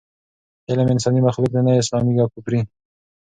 علم انساني مخلوق دی، نه اسلامي یا کافري.